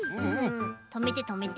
とめてとめて。